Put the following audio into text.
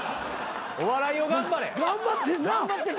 お笑いを頑張れ。頑張ってんな？